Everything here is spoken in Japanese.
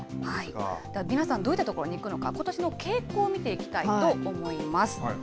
皆さん、どういった所に行くのか、ことしの傾向を見ていきたいと思います。